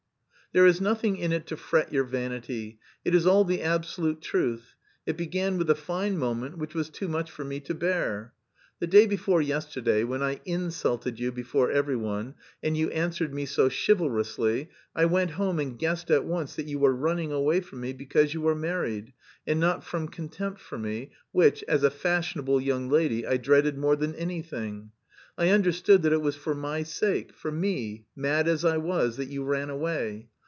"There is nothing in it to fret your vanity. It is all the absolute truth. It began with a fine moment which was too much for me to bear. The day before yesterday, when I 'insulted' you before every one and you answered me so chivalrously, I went home and guessed at once that you were running away from me because you were married, and not from contempt for me which, as a fashionable young lady, I dreaded more than anything. I understood that it was for my sake, for me, mad as I was, that you ran away.